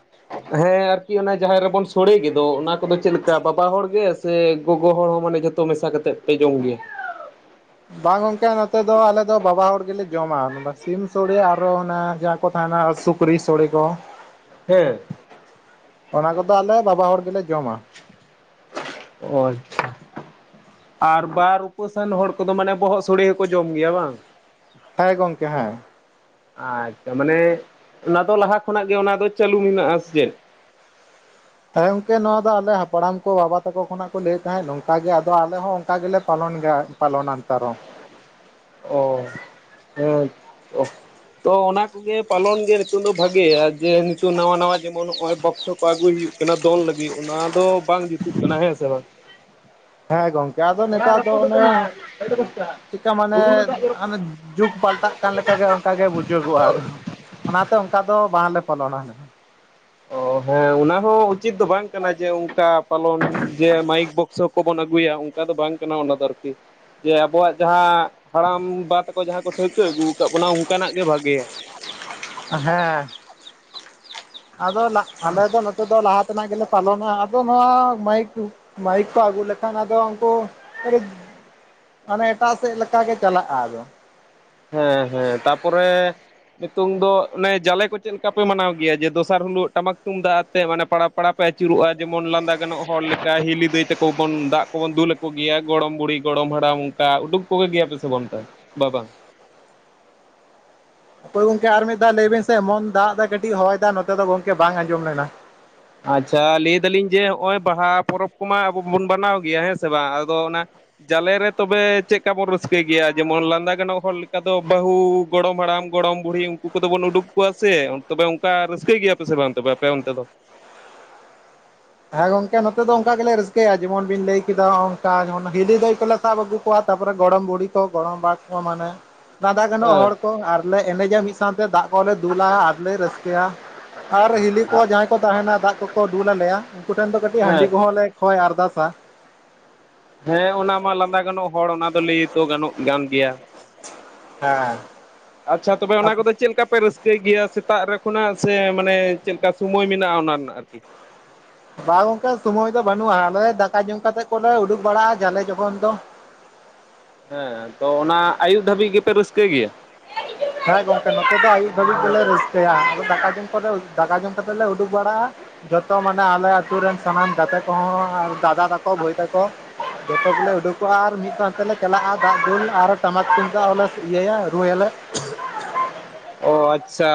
ᱦᱮᱸ ᱟᱨᱠᱤ ᱚᱱᱟ ᱡᱟᱦᱮᱨ ᱨᱮᱵᱚᱱ ᱥᱳᱲᱮ ᱜᱮᱫᱚ ᱚᱱᱟ ᱠᱚᱫᱚ ᱪᱮᱫ ᱞᱮᱠᱟ ᱵᱟᱵᱟ ᱦᱚᱲ ᱜᱮ ᱥᱮ ᱜᱚᱜᱚ ᱦᱚᱲ ᱦᱚᱸ ᱢᱟᱱᱮ ᱡᱷᱚᱛᱚ ᱢᱮᱥᱟ ᱠᱟᱛᱮᱫ ᱯᱮ ᱡᱚᱢ ᱜᱮᱭᱟ? ᱵᱟᱝ ᱜᱚᱝᱠᱮ ᱱᱚᱛᱮ ᱫᱚ ᱟᱞᱮ ᱫᱚ ᱵᱟᱵᱟ ᱦᱚᱲ ᱜᱮᱞᱮ ᱡᱚᱢᱟ, ᱥᱤᱢ ᱥᱳᱲᱮ ᱟᱨᱚ ᱚᱱᱟ ᱠᱚ ᱛᱟᱦᱮᱱᱟ ᱥᱩᱠᱨᱤ ᱥᱳᱲᱮ ᱠᱚ᱾ ᱦᱮᱸ᱾ ᱚᱱᱟ ᱠᱚᱫᱚ ᱟᱞᱮ ᱵᱟᱵᱟ ᱦᱚᱲ ᱜᱮᱞᱮ ᱡᱚᱢᱟ᱾ ᱚ ᱟᱪᱪᱷᱟ ᱟᱨ ᱵᱟᱨ ᱩᱯᱟᱹᱥᱟᱱ ᱦᱚᱲ ᱠᱚᱫᱚ ᱢᱟᱱᱮ ᱵᱚᱦᱚᱜ ᱥᱳᱲᱮ ᱦᱚᱸᱠᱚ ᱡᱚᱢ ᱜᱮᱭᱟ ᱵᱟᱝ? ᱦᱮᱸ ᱜᱚᱝᱠᱮ ᱦᱮᱸ ᱟᱪᱪᱷᱟ ᱢᱟᱱᱮ ᱚᱱᱟ ᱫᱚ ᱞᱟᱦᱟ ᱠᱷᱚᱱᱟᱜ ᱜᱮ ᱚᱱᱟ ᱫᱚ ᱪᱟᱹᱞᱩ ᱢᱮᱱᱟᱜᱼᱟ ᱥᱮ ᱪᱮᱫ? ᱦᱮᱸ ᱜᱚᱝᱠᱮ ᱱᱚᱣᱟ ᱫᱚ ᱟᱞᱮ ᱦᱟᱯᱲᱟᱢ ᱠᱚ ᱵᱟᱵᱟ ᱛᱟᱠᱚ ᱠᱷᱚᱱᱟᱜ ᱠᱚ ᱞᱟᱹᱭᱮᱫ ᱛᱟᱦᱮᱸᱫ ᱱᱚᱝᱠᱟ ᱜᱮ ᱟᱫᱚ ᱟᱞᱮ ᱦᱚᱸ ᱚᱱᱠᱟ ᱜᱮᱞᱮ ᱯᱟᱞᱚᱱ ᱜᱮᱭᱟ᱾ [unintelligible] ᱚ ᱦᱮᱸ [unintelligible] ᱛᱚ ᱚᱱᱟ ᱠᱚᱜᱮ ᱯᱟᱞᱚᱱ ᱜᱮ ᱱᱤᱛᱚᱝ ᱫᱚ ᱵᱷᱟᱜᱮ ᱡᱮ ᱱᱤᱛᱚᱜ ᱱᱟᱣᱟ ᱱᱟᱣᱟ ᱡᱮᱢᱚᱱ ᱱᱚᱜᱼᱚᱭ ᱵᱚᱠᱥᱚ ᱠᱚ ᱟᱹᱜᱩᱭ ᱦᱩᱭᱩᱜ ᱫᱚᱱ ᱞᱟᱹᱜᱤᱫ ᱚᱱᱟ ᱫᱚ ᱵᱟᱝ ᱡᱩᱛᱩᱜ ᱠᱟᱱᱟ ᱦᱮᱸ ᱥᱮ ᱵᱟᱝ? ᱦᱮᱸ ᱜᱚᱢᱠᱮ ᱟᱫᱚ ᱚᱲᱟᱜ ᱱᱮᱛᱟᱨ ᱫᱚ ᱨᱟᱹᱯᱩᱫ ᱚᱱᱮ ᱟᱠᱟᱱᱟ ᱟᱹᱰᱤ ᱠᱚᱥᱴᱚ ᱪᱮᱠᱟ ᱢᱟᱱᱮ ᱦᱩᱰᱩᱨ ᱫᱟᱜ ᱡᱚᱨᱚᱜ ᱡᱩᱜᱽ ᱯᱟᱞᱴᱟᱜ ᱠᱟᱱ ᱞᱮᱠᱟᱜᱮ ᱚᱱᱠᱟᱜ ᱜᱮ ᱵᱩᱡᱟᱹᱜᱚᱜᱼᱟ ᱟᱫᱚ᱾ ᱚᱱᱟᱛᱮ ᱚᱱᱠᱟ ᱫᱚ ᱵᱟᱝᱞᱮ ᱯᱚᱞᱚᱱᱟ᱾ ᱚᱻ ᱦᱮᱸ ᱚᱱᱟ ᱦᱚᱸ ᱩᱪᱤᱛ ᱫᱚ ᱵᱟᱝ ᱠᱟᱱᱟ ᱡᱮ ᱚᱱᱠᱟ ᱯᱟᱞᱚᱱ ᱡᱮ ᱢᱟᱭᱤᱠ ᱵᱚᱠᱥᱚ ᱠᱚᱵᱚᱱ ᱟᱹᱜᱩᱭᱟ ᱚᱱᱠᱟ ᱫᱚ ᱵᱟᱝ ᱠᱟᱱᱟ ᱚᱱᱟ ᱫᱚ ᱟᱨᱠᱤ᱾ ᱡᱮ ᱟᱵᱚᱣᱟᱜ ᱡᱟᱦᱟᱸ ᱦᱟᱲᱟᱢ ᱵᱟ ᱛᱟᱠᱚ ᱡᱟᱦᱟᱸ ᱠᱚ ᱴᱷᱟᱹᱣᱠᱟᱹ ᱟᱹᱜᱩ ᱠᱟᱜ ᱵᱚᱱᱟ ᱚᱱᱠᱟᱱᱟᱜ ᱜᱮ ᱵᱷᱟᱜᱮᱭᱟ᱾ ᱦᱮᱸ ᱟᱫᱚ ᱟᱞᱮ ᱫᱚ ᱱᱚᱛᱮ ᱫᱚ ᱞᱟᱦᱟ ᱛᱮᱱᱟᱜ ᱜᱮᱞᱮ, ᱯᱟᱞᱚᱱᱟ ᱟᱫᱚ ᱱᱚᱣᱟ ᱢᱟᱭᱤᱠ ᱢᱟᱭᱤᱠ ᱠᱚ ᱟᱹᱜᱩ ᱞᱮᱠᱷᱟᱱ ᱟᱫᱚ ᱩᱱᱠᱩ, ᱢᱟᱱᱮ ᱮᱴᱟᱜ ᱥᱮᱫ ᱞᱮᱠᱟᱜᱮ ᱪᱟᱞᱟᱜᱼᱟ ᱟᱫᱚ᱾ ᱦᱮᱸ ᱦᱮᱸ ᱛᱟᱯᱚᱨᱮ᱾ ᱱᱤᱛᱚᱝ ᱫᱚ ᱚᱱᱮ ᱡᱟᱞᱮ ᱠᱚ ᱪᱮᱫ ᱞᱮᱠᱟ ᱯᱮ ᱢᱟᱱᱟᱣ ᱜᱮᱭᱟ ᱡᱮ ᱫᱚᱥᱟᱨ ᱦᱤᱞᱳᱜ ᱴᱟᱢᱟᱠ ᱛᱩᱢᱫᱟᱹᱜ, ᱥᱮ ᱢᱟᱱᱮ ᱯᱟᱲᱟ ᱯᱟᱲᱟ ᱯᱮ ᱟᱹᱪᱩᱨᱚᱜᱼᱟ ᱡᱮᱢᱚᱱ ᱞᱟᱸᱫᱟ ᱜᱟᱱᱚᱜ ᱦᱚᱲ ᱞᱮᱠᱟ ᱦᱤᱞᱤ ᱫᱟᱹᱭ ᱛᱟᱠᱚ ᱵᱚᱱ ᱫᱟᱜᱼᱼ ᱠᱚᱵᱚᱱ ᱫᱩᱞ ᱟᱠᱚ ᱜᱮᱭᱟ ᱜᱚᱲᱚᱢ ᱵᱩᱲᱦᱤ ᱜᱚᱲᱚᱢ ᱦᱟᱲᱟᱢ ᱚᱱᱠᱟ ᱩᱰᱩᱠ ᱠᱚᱜᱮ ᱜᱮᱭᱟ ᱯᱮᱥᱮ ᱵᱟᱝ ᱚᱱᱠᱟ ᱵᱟ ᱵᱟᱝ, ᱦᱳᱭ ᱜᱚᱢᱠᱮ ᱟᱨ ᱢᱤᱫ ᱫᱷᱟᱣ ᱞᱟᱹᱭ ᱵᱤᱱ ᱥᱮ ᱮᱢᱚᱱ ᱫᱟᱜ ᱮᱫᱟᱭ ᱠᱟᱹᱴᱤᱡ ᱦᱚᱭ ᱫᱟ ᱱᱚᱛᱮ ᱫᱚ ᱜᱚᱝᱠᱮ ᱵᱟᱝ ᱟᱸᱡᱚᱢ ᱞᱮᱱᱟ? ᱟᱪᱪᱷᱟ ᱞᱟᱹᱭ ᱫᱟᱞᱤᱧ ᱡᱮ ᱦᱚᱜᱚᱭ ᱵᱟᱦᱟ ᱯᱚᱨᱚᱵᱽ ᱠᱚᱢᱟ ᱟᱵᱚ ᱵᱚᱱ ᱢᱟᱱᱟᱣ ᱜᱮᱭᱟ ᱦᱮᱸ ᱥᱮ ᱵᱟᱝ ᱟᱫᱚ ᱚᱱᱮ, ᱡᱟᱞᱮ ᱨᱮ ᱛᱚᱵᱮ ᱪᱮᱫᱠᱟ ᱵᱚᱱ ᱨᱟᱹᱥᱠᱟᱹᱭ ᱜᱮᱭᱟ ᱡᱮᱢᱚᱱ ᱞᱟᱸᱫᱟ ᱜᱟᱱᱚᱜ ᱦᱚᱲ ᱞᱮᱠᱟ ᱫᱚ ᱵᱟᱹᱦᱩ ᱜᱚᱲᱚᱢ ᱦᱟᱲᱟᱢ ᱜᱚᱲᱚᱢ ᱵᱩᱲᱦᱤ ᱩᱱᱠᱩ ᱠᱚᱫᱚ ᱵᱚᱱ ᱩᱰᱩᱠ ᱠᱚᱣᱟ ᱥᱮ ᱛᱚᱵᱮ ᱚᱱᱠᱟ ᱨᱟᱹᱥᱠᱟᱹ ᱜᱮᱭᱟ ᱯᱮ ᱥᱮ ᱵᱟᱝ ᱟᱯᱮ ᱚᱱᱛᱮ ᱫᱚ? ᱦᱮᱸ ᱜᱚᱝᱠᱮ ᱱᱚᱛᱮ ᱫᱚ ᱚᱱᱠᱟ ᱜᱮᱞᱮ ᱨᱟᱹᱥᱠᱟᱹᱭᱟ ᱡᱮᱢᱚᱱ ᱵᱤᱱ ᱞᱟᱹᱭ ᱠᱮᱫᱟ ᱦᱚᱸ ᱱᱚᱝᱠᱟ ᱦᱚᱸ ᱦᱤᱞᱤ ᱫᱟᱹᱭ ᱠᱚᱞᱮ, ᱥᱟᱵ ᱟᱹᱜᱩ ᱠᱚᱣᱟ ᱛᱟᱯᱚᱨᱮ ᱜᱚᱲᱚᱢ ᱵᱩᱲᱦᱤ ᱠᱚ ᱜᱚᱲᱚᱢ ᱵᱟᱜ ᱠᱚ ᱢᱟᱱᱮ ᱞᱟᱸᱫᱟ ᱜᱟᱱᱚᱜ ᱦᱮᱸ ᱦᱚᱲ ᱠᱚ ᱟᱨᱞᱮ ᱮᱱᱮᱡᱟ ᱢᱤᱫ ᱥᱟᱶᱛᱮ ᱫᱟᱜ, ᱠᱚᱞᱮ ᱫᱩᱞᱟ ᱟᱨᱞᱮ ᱨᱟᱹᱥᱠᱟᱹᱭᱟ ᱟᱨ ᱦᱤᱞᱤ ᱠᱚ ᱡᱟᱦᱟᱸᱭ ᱠᱚ ᱛᱟᱦᱮᱱᱟ ᱫᱟᱜ ᱠᱚᱠᱚ ᱫᱩ ᱞᱟᱞᱮᱭᱟ᱾ ᱩᱱᱠᱩ ᱴᱷᱮᱱ ᱠᱟᱹᱴᱤᱡ ᱦᱟᱺᱰᱤ ᱦᱮᱸ ᱠᱚᱸᱦᱚ ᱞᱮ ᱠᱷᱚᱭ ᱟᱨᱫᱟᱥᱟ᱾ ᱦᱮᱸ ᱚᱱᱟ ᱢᱟ ᱞᱟᱸᱫᱟ ᱜᱟᱱᱚᱜ ᱦᱚᱲ ᱚᱱᱟ ᱫᱚ ᱞᱟᱹᱭ ᱛᱚ ᱜᱟᱱᱚᱜ ᱠᱟᱱ ᱜᱮᱭᱟ᱾ ᱦᱮᱸ ᱟᱪᱪᱷᱟ ᱛᱚᱵᱮ ᱚᱱᱟ ᱠᱚᱫᱚ ᱪᱮᱫ ᱞᱮᱠᱟᱯ, ᱯᱮ ᱨᱟᱹᱥᱠᱟᱹᱭ ᱜᱮᱭᱟ ᱥᱮᱛᱟᱜ ᱨᱮ ᱠᱷᱚᱱᱟᱜ ᱥᱮ ᱢᱟᱱᱮ ᱪᱮᱫ ᱞᱮᱠᱟ ᱥᱚᱢᱚᱭ ᱢᱮᱱᱟᱜᱼᱟ ᱚᱱᱟ ᱨᱮᱱᱟᱜ ᱟᱨᱠᱤ? ᱵᱟᱝ ᱜᱚᱝᱠᱮ ᱥᱚᱢᱚᱭ ᱫᱚ ᱵᱟᱹᱱᱩᱜᱼᱟ ᱟᱞᱮ ᱫᱟᱠᱟ ᱡᱚᱢ ᱠᱟᱛᱮᱫ ᱠᱚᱞᱮ ᱩᱰᱩᱠ ᱵᱟᱲᱟᱜᱼᱟ ᱡᱷᱟᱞᱮ ᱡᱚᱠᱷᱚᱱ ᱫᱚ᱾ ᱦᱮᱸ ᱛᱚ ᱚᱱᱟ ᱟᱹᱭᱩᱵ ᱫᱷᱟᱹᱵᱤᱡ ᱜᱮᱯᱮ ᱨᱟᱹᱥᱠᱟᱹᱭ ᱜᱮᱭᱟ? ᱦᱮᱸ ᱜᱚᱢᱠᱮ ᱱᱚᱛᱮ ᱫᱚ ᱟᱹᱭᱩᱵ ᱫᱷᱟᱹᱵᱤᱡ ᱜᱮᱞᱮ ᱨᱟᱹᱥᱠᱟᱹᱭᱟ ᱟᱫᱚ ᱫᱟᱠᱟ ᱡᱚᱢ ᱯᱚᱨᱮ, ᱫᱟᱠᱟ ᱡᱚᱢ ᱠᱟᱛᱮᱫ ᱞᱮ ᱩᱰᱩᱠ ᱵᱟᱲᱟᱜᱼᱟ᱾ ᱡᱚᱛᱚ ᱢᱟᱱᱮ ᱟᱞᱮ ᱟᱛᱩ ᱨᱮᱱ ᱥᱟᱱᱟᱢ ᱜᱟᱛᱮ ᱠᱚᱦᱚᱸ ᱟᱨ ᱫᱟᱫᱟ ᱛᱟᱠᱚ ᱵᱷᱟᱹᱭ ᱛᱟᱠᱚᱼᱼ ᱡᱚᱛᱚ ᱜᱮᱞᱮ ᱩᱰᱩᱠᱚᱜᱼᱟ ᱟᱨ ᱢᱤᱫ ᱥᱟᱶ, ᱛᱮᱞᱮ ᱪᱟᱞᱟᱜᱼᱟ ᱫᱟᱜ ᱫᱩᱞ ᱟᱨ ᱴᱟᱢᱟᱠ ᱛᱩᱢᱫᱟᱹᱜ ᱦᱚᱸᱞᱮ ᱤᱭᱟᱹᱭᱟ ᱨᱩ ᱟᱞᱮ᱾ ᱚ ᱟᱪᱪᱷᱟ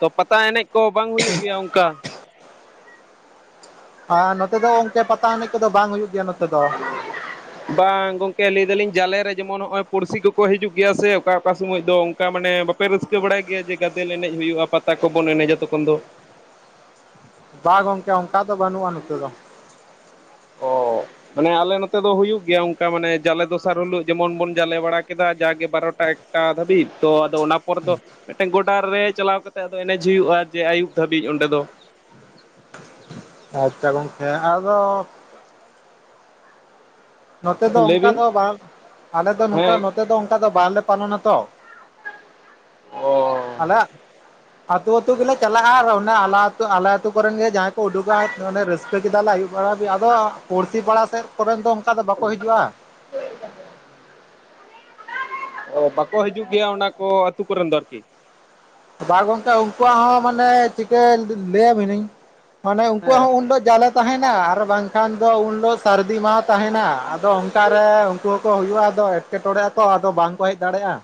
ᱛᱚ ᱯᱟᱛᱟ ᱮᱱᱮᱡ ᱠᱚ ᱵᱟᱝ ᱦᱩᱭᱩᱜ ᱚᱱᱠᱟ? ᱟᱨ ᱱᱚᱛᱮ ᱫᱚ ᱜᱚᱢᱠᱮ ᱯᱟᱛᱟ ᱮᱱᱮᱡ ᱠᱚᱫᱚ ᱵᱟᱝ ᱦᱩᱭᱩᱜ ᱜᱮᱭᱟ ᱱᱚᱛᱮ ᱫᱚ᱾ ᱵᱟᱝ ᱜᱚᱝᱠᱮ ᱞᱟᱹᱭ ᱫᱟᱞᱤᱧ ᱡᱟᱞᱮ ᱨᱮ ᱡᱮᱢᱚᱱ ᱱᱚᱜᱼᱚᱭ ᱯᱩᱲᱥᱤ ᱠᱚᱠᱚ ᱦᱤᱡᱩᱜ ᱜᱮᱭᱟ ᱥᱮ ᱚᱠᱟ ᱚᱠᱟ ᱥᱩᱢᱟᱹᱭ ᱫᱚ? ᱚᱠᱟ ᱢᱟᱱᱮ ᱵᱟᱯᱮ ᱨᱟᱹᱥᱠᱟᱹ ᱵᱟᱲᱟᱭ ᱜᱮᱭᱟ ᱡᱮ ᱜᱟᱫᱮᱞ ᱮᱱᱮᱡ ᱦᱩᱭᱩᱜᱼᱟ ᱯᱟᱛᱟ ᱠᱚᱵᱚᱱ ᱮᱱᱮᱡᱟ ᱛᱚᱠᱷᱚᱱ ᱫᱚ᱾ ᱵᱟ ᱜᱚᱢᱠᱮ ᱚᱱᱠᱟ ᱫᱚ ᱵᱟᱹᱱᱩᱜᱼᱟ ᱱᱚᱛᱮ ᱫᱚ᱾ ᱚᱸ ᱢᱟᱱᱮ ᱟᱞᱮ ᱱᱚᱛᱮ ᱫᱚ ᱦᱩᱭᱩᱜ ᱜᱮᱭᱟ ᱚᱱᱠᱟ ᱢᱟᱱᱮ ᱡᱟᱞᱮ ᱫᱚᱥᱟᱨ ᱦᱤᱞᱳᱜ ᱡᱮᱢᱚᱱ ᱵᱚᱱ ᱡᱟᱞᱮ ᱵᱟᱲᱟ ᱠᱮᱫᱟ ᱡᱟᱜᱮ ᱵᱟᱨᱚ ᱮᱠᱴᱟ ᱫᱷᱟᱵᱤᱡ᱾ ᱛᱚ ᱟᱫᱚ ᱚᱱᱟ ᱯᱚᱨᱮ ᱫᱚ ᱢᱤᱫᱴᱮᱱ ᱜᱚᱰᱟ ᱨᱮ ᱪᱟᱞᱟᱣ ᱠᱟᱛᱮᱜ ᱟᱫᱚ ᱮᱱᱮᱡ ᱦᱩᱭᱩᱜᱼᱟ ᱡᱮ ᱟᱹᱭᱩᱵ ᱫᱷᱟᱹᱵᱤᱡ ᱚᱱᱰᱮ ᱫᱚ᱾ ᱟᱪᱪᱷᱟ ᱜᱚᱢᱠᱮ ᱟᱫᱚ ᱱᱚᱛᱮ ᱫᱚ ᱞᱟᱹᱭ ᱚᱱᱠᱟ ᱵᱤᱱ ᱫᱚ ᱵᱟᱝ ᱟᱞᱮ ᱫᱚ ᱱᱚᱝᱠᱟ ᱦᱮᱸ ᱱᱚᱛᱮ ᱫᱚ ᱚᱱᱠᱟ ᱫᱚ ᱵᱟᱞᱮ ᱯᱟᱞᱚᱱᱟᱛᱚ᱾ ᱚ ᱟᱞᱮᱜ ᱟᱹᱛᱩ ᱟᱹᱛᱩ ᱜᱮᱞᱮ ᱪᱟᱞᱟᱜᱼᱟ ᱟᱨ ᱚᱱᱟ ᱟᱞᱮ ᱟᱹᱛᱩ ᱟᱞᱮ ᱟᱹᱛᱩ ᱠᱚᱨᱮᱱ ᱜᱮ ᱡᱟᱦᱟᱸ, ᱠᱚ ᱩᱰᱩᱠᱚᱜ-ᱟ ᱚᱱᱮ ᱨᱟᱹᱥᱟᱹ, ᱯᱤᱴᱷᱟᱹ ᱠᱮᱫᱟᱞᱮ ᱟᱹᱭᱩᱵ ᱵᱮᱲᱟ ᱦᱟᱵᱤᱡ ᱟᱫᱚ ᱯᱩᱲᱥᱤ ᱯᱟᱲᱟ ᱥᱮᱫ ᱠᱚᱨᱮᱱ ᱫᱚ ᱚᱱᱠᱟ ᱫᱚ ᱵᱟᱠᱚ ᱦᱤᱡᱩᱜᱼᱟ᱾ ᱦᱳᱭ ᱛᱟᱦᱞᱮ ᱚ ᱵᱟᱠᱚ ᱦᱤᱡᱩᱜ ᱜᱮᱭᱟ ᱚᱱᱟ ᱠᱚ ᱟᱹᱛᱩ ᱠᱚᱨᱮᱱ ᱫᱚ ᱟᱨᱠᱤ᱾ ᱵᱟ ᱜᱚᱢᱠᱮ ᱩᱱᱠᱩᱣᱟᱜ ᱦᱚᱸ ᱢᱟᱱᱮ ᱪᱤᱠᱟᱹ ᱞᱟᱹᱭᱟ ᱵᱤᱱᱟᱹᱧ ᱢᱟᱱᱮ ᱩᱱᱠᱩ ᱭᱟᱜ ᱦᱮᱸ ᱦᱚᱸ ᱩᱱ ᱦᱤᱞᱳᱜ ᱡᱟᱞᱮ ᱛᱟᱦᱮᱱᱟ ᱟᱨ ᱵᱟᱝᱠᱷᱟᱱ ᱫᱚ ᱩᱱ ᱦᱤᱞᱳᱜ ᱥᱟᱹᱨᱫᱤ ᱢᱟᱦᱟ ᱛᱟᱦᱮᱱᱟ ᱟᱫᱚ ᱚᱱᱠᱟ ᱨᱮ ᱩᱱᱠᱩ ᱦᱚᱸᱠᱚ ᱦᱩᱭᱩᱜᱼᱟ ᱟᱫᱚ ᱮᱸᱴᱠᱮᱴᱚᱬᱮᱜ ᱟᱠᱚ ᱟᱫᱚ ᱵᱟᱝ ᱠᱚ ᱦᱮᱡ ᱫᱟᱲᱮᱜᱼᱟ᱾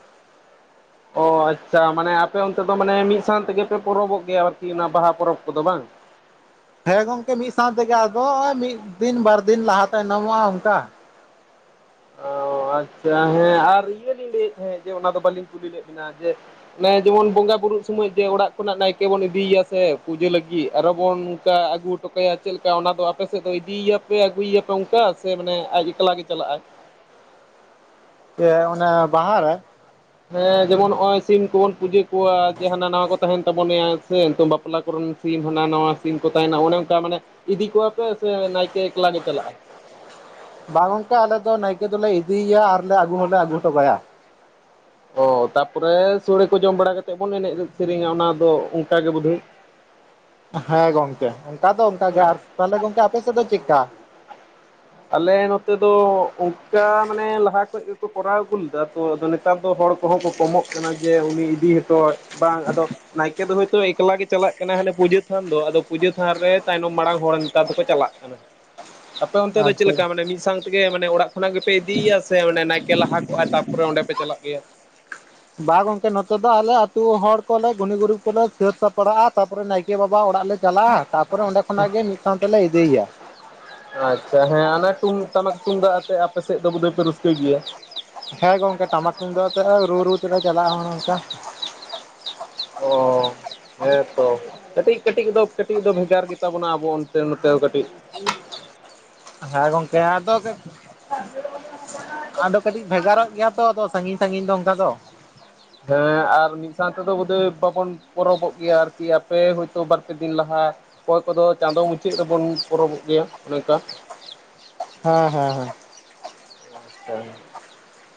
ᱚ ᱟᱪᱪᱷᱟ ᱢᱟᱱᱮ ᱟᱯᱮ ᱚᱱᱛᱮ ᱫᱚ ᱢᱟᱱᱮ ᱢᱤᱫ ᱥᱟᱶ ᱛᱮᱜᱮ ᱯᱮ ᱯᱚᱨᱚᱵᱚᱜ ᱜᱮᱭᱟ ᱟᱨᱠᱤ ᱚᱱᱟ ᱵᱟᱦᱟ ᱯᱚᱨᱚᱵᱽ ᱠᱚᱫᱚ ᱵᱟᱝ ᱾ ᱦᱮᱸ ᱜᱚᱝᱠᱮ ᱢᱤᱫ ᱥᱟᱶ ᱛᱮᱜᱮ ᱟᱫᱚ ᱦᱚᱜᱼᱚᱭ ᱢᱤᱫ ᱫᱤᱱ ᱵᱟᱨ ᱫᱤᱱ ᱞᱟᱦᱟ ᱛᱟᱭᱱᱚᱢᱚᱜᱼᱟ ᱚᱱᱠᱟ᱾ ᱚ ᱟᱪᱪᱷᱟ ᱦᱮᱸ ᱟᱨ ᱤᱭᱟᱹ ᱞᱤᱧ ᱞᱟᱹᱭᱮᱫ ᱛᱟᱦᱮᱸᱫ ᱡᱮ ᱚᱱᱟ ᱫᱚ ᱵᱟᱹᱞᱤᱧ ᱠᱩᱞᱤ ᱞᱮᱫ ᱵᱤᱱᱟ ᱡᱮ, ᱚᱱᱮ ᱡᱮᱢᱚᱱ ᱵᱚᱸᱜᱟ ᱵᱩᱨᱩᱜ ᱥᱚᱢᱚᱭ ᱡᱮ ᱚᱲᱟᱜ ᱠᱷᱚᱱᱟᱜ ᱱᱟᱭᱠᱮ ᱵᱚᱱ ᱤᱫᱤᱭᱮᱭᱟ ᱥᱮ ᱯᱩᱡᱟᱹ ᱞᱟᱹᱜᱤᱫ ᱟᱨᱚ ᱵᱚᱱ ᱚᱱᱠᱟ ᱟᱜᱩ ᱦᱚᱴᱚ ᱠᱟᱭᱟ ᱪᱮᱫ ᱞᱮᱠᱟ ᱚᱱᱟ ᱫᱚ ᱟᱯᱮᱥᱮᱫ ᱫᱚ ᱤᱫᱤᱭᱟᱯᱮ ᱟᱹᱜᱩᱭᱮᱭᱟᱯᱮ ᱚᱱᱠᱟ ᱥᱮ ᱢᱟᱱᱮ ᱟᱡ ᱮᱠᱞᱟ ᱜᱮ ᱪᱟᱞᱟᱜᱼᱟᱭ? ᱪᱮᱫ ᱚᱱᱮ ᱵᱟᱦᱟ ᱨᱮ? ᱦᱮᱸ, ᱡᱮᱢᱚᱱ ᱱᱚᱜ ᱚᱭ ᱥᱤᱢ ᱠᱚᱵᱚᱱ ᱯᱩᱡᱟᱹ ᱠᱚᱣᱟ ᱡᱮ ᱦᱟᱱᱟ ᱱᱟᱣᱟ ᱠᱚ ᱛᱟᱦᱮᱱ ᱛᱟᱵᱚᱱᱮ [unintelligible] ᱵᱟᱯᱞᱟ ᱠᱚᱨᱮᱱ ᱥᱤᱢ ᱦᱟᱱᱟ ᱱᱟᱣᱟ ᱥᱤᱢ ᱠᱚ ᱛᱟᱦᱮᱱᱟ ᱚᱱᱮ ᱚᱱᱠᱟ ᱢᱟᱱᱮ ᱤᱫᱤ ᱠᱚᱣᱟᱯᱮ ᱥᱮ ᱱᱟᱭᱠᱮ ᱮᱠᱞᱟ ᱜᱮ ᱪᱟᱞᱟᱜᱼᱟ? ᱵᱟᱝ ᱜᱚᱝᱠᱮ ᱟᱞᱮ ᱫᱚ ᱱᱟᱭᱠᱮ ᱫᱚᱞᱮ ᱤᱫᱤᱭᱮᱭᱟ ᱟᱨᱞᱮ ᱟᱹᱜᱩ ᱦᱚᱸᱞᱮ ᱟᱹᱜᱩ ᱦᱚᱴᱚ ᱠᱟᱭᱟ᱾ [inaudible] ᱚ ᱛᱟᱯᱚᱨᱮ ᱥᱚᱲᱮ ᱠᱚ ᱡᱚᱢ ᱵᱟᱲᱟ ᱠᱟᱛᱮᱫ ᱵᱚᱱ ᱮᱱᱮᱡ ᱥᱮᱨᱮᱧᱟ ᱚᱱᱟ ᱫᱚ ᱚᱱᱠᱟ ᱜᱮ ᱵᱳᱫᱷᱚᱭ᱾ ᱦᱮᱸ ᱜᱚᱝᱠᱮ ᱚᱱᱠᱟ ᱫᱚ ᱚᱱᱠᱟ ᱜᱮ, ᱟᱨ ᱛᱟᱦᱚᱞᱮ ᱜᱚᱝᱠᱮ ᱟᱯᱮᱥᱮᱫ ᱫᱚ ᱪᱮᱫᱠᱟ? ᱟᱞᱮ ᱱᱚᱛᱮ ᱫᱚ ᱚᱱᱠᱟ ᱢᱟᱱᱮ ᱞᱟᱦᱟ ᱠᱷᱚᱡ ᱜᱮᱠᱚ ᱠᱚᱨᱟᱣ ᱟᱹᱜᱩ ᱞᱮᱫᱟ ᱛᱚ ᱟᱫᱚ ᱱᱤᱛ ᱱᱮᱛᱟᱨ ᱫᱚ ᱦᱚᱲ ᱠᱚᱦᱚᱸ ᱠᱚ ᱠᱚᱢᱚᱜ ᱠᱟᱱᱟ ᱡᱮ, ᱩᱱᱤ ᱤᱫᱤ ᱦᱚᱴᱚᱭ ᱵᱟᱝ ᱟᱫᱚ ᱱᱟᱭ ᱠᱮ ᱫᱚ ᱦᱳᱭᱛᱳ ᱮᱠᱞᱟ ᱜᱮ ᱪᱟᱞᱟᱜ ᱠᱟᱱᱟ ᱾ ᱦᱟᱱᱮ ᱠᱮ ᱫᱚ ᱦᱳᱭ ᱛᱚ ᱮᱠᱞᱟ ᱜᱮ ᱪᱟᱞᱟᱜ ᱠᱟᱱᱟᱭ ᱦᱟᱱᱮ ᱯᱩᱡᱟᱹ ᱛᱷᱟᱱ ᱫᱚ ᱟᱫᱚ ᱯᱩᱡᱟᱹ ᱛᱷᱟᱱ ᱨᱮ ᱛᱟᱭᱱᱚᱢ ᱢᱟᱲᱟᱝ ᱦᱚᱲ ᱱᱮᱛᱟᱨ ᱫᱚᱠᱚ ᱪᱟᱞᱟᱜ ᱠᱟᱱᱟ᱾ ᱟᱯᱮ ᱚᱱᱛᱮ ᱫᱚ ᱟᱪᱪᱷᱟ ᱚᱰᱮ ᱢᱤᱫ ᱥᱟᱝ ᱛᱮᱜᱮ ᱢᱟᱱᱮ ᱚᱲᱟᱜ ᱠᱷᱚᱱᱟᱜ ᱜᱮᱯᱮ ᱤᱫᱤᱭᱮᱭᱟ, ᱥᱮ ᱚᱱᱮ ᱱᱟᱭᱠᱮ ᱞᱟᱦᱟ ᱠᱚᱜᱼᱟ ᱛᱟᱨᱯᱚᱨᱮ ᱚᱸᱰᱮ ᱯᱮ ᱪᱟᱞᱟᱜ ᱜᱮᱭᱟ? ᱵᱟᱝ ᱜᱚᱝᱠᱮ ᱱᱚᱛᱮ ᱫᱚ ᱟᱞᱮ ᱟᱹᱛᱩ ᱦᱚᱲ ᱠᱚᱞᱮ ᱜᱩᱱᱤ ᱜᱩᱨᱤᱵ ᱠᱚᱞᱮ ᱥᱟᱹᱛ ᱥᱟᱯᱲᱟᱜᱼᱟ ᱛᱟᱯᱚᱨᱮ ᱱᱟᱭᱠᱮ ᱵᱟᱵᱟ ᱚᱲᱟᱜ ᱞᱮ ᱪᱟᱞᱟᱜᱼᱟ, ᱛᱟᱯᱚᱨᱮ ᱚᱸᱰᱮ ᱠᱷᱚᱱᱟᱜ ᱜᱮ ᱢᱤᱫ ᱥᱟᱶ ᱛᱮᱞᱮ ᱤᱫᱤᱭᱮᱭᱟ᱾ ᱟᱪᱪᱷᱟ ᱦᱮᱸ ᱟᱱᱮ ᱴᱩᱢ ᱴᱟᱢᱟᱠ ᱛᱩᱢᱫᱟᱜ ᱟᱛᱮ ᱟᱯᱮ ᱥᱮᱫ ᱫᱚ ᱵᱳᱫᱚᱭᱯᱮ ᱨᱟᱹᱥᱠᱟᱹᱭ ᱜᱮᱭᱟ᱾ ᱦᱮᱸ ᱜᱚᱝᱠᱮ ᱴᱟᱢᱟᱠ ᱛᱩᱢᱫᱟᱜ ᱟᱛᱮ ᱨᱩ-ᱨᱩ ᱛᱮᱞᱮ ᱪᱟᱞᱟᱜᱼᱟ ᱦᱚᱜ ᱚ ᱱᱚᱝᱠᱟ᱾ ᱚ᱾ ᱦᱮᱸ ᱛᱚ ᱠᱟᱹᱴᱤᱡ ᱠᱟᱹᱴᱤᱡ ᱫᱚ ᱠᱟᱹᱴᱤᱡ ᱫᱚ ᱵᱷᱮᱜᱟᱨ ᱜᱮᱛᱟ ᱵᱚᱱᱟ ᱟᱵᱚ ᱚᱱᱛᱮ ᱱᱚᱛᱮ ᱫᱚ ᱠᱟᱹᱴᱤᱡ᱾ ᱦᱮᱸ ᱜᱚᱝᱠᱮ ᱟᱫᱚ ᱟᱫᱚ [unintelligible] ᱠᱟᱹᱴᱤᱡ ᱵᱷᱮᱜᱟᱨᱚᱜ ᱜᱮᱭᱟ ᱛᱚ ᱟᱫᱚ ᱥᱟᱺᱜᱤᱧ ᱥᱟᱺᱜᱤᱧ ᱫᱚ ᱚᱱᱠᱟ ᱫᱚ᱾ ᱦᱮᱸ ᱟᱨ ᱢᱤᱫ ᱥᱟᱶ ᱛᱮᱫᱚ ᱵᱚᱫᱷᱚᱭ ᱵᱟᱵᱚᱱ ᱯᱚᱨᱚᱵᱚᱜ ᱜᱮᱭᱟ ᱟᱨᱠᱤ ᱟᱯᱮ ᱦᱚᱭᱛᱳ ᱵᱟᱨ ᱯᱮ ᱫᱤᱱ ᱞᱟᱦᱟ ᱚᱠᱚᱭ ᱠᱚᱫᱚ ᱪᱟᱸᱫᱚ ᱢᱩᱪᱟᱹᱫ ᱨᱮᱵᱚᱱ ᱯᱚᱨᱚᱵᱚᱜ ᱜᱮᱭᱟ ᱚᱱᱮ ᱚᱱᱠᱟ᱾ ᱦᱮᱸ ᱦᱮᱸ ᱦᱮᱸ᱾ [unintelligible]